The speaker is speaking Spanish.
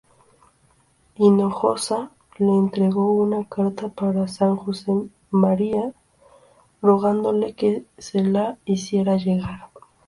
Hinojosa le entregó una carta para san Josemaría, rogándole que se la hiciera llegar.